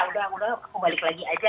udah mudah balik lagi aja